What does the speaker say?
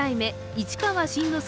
市川新之助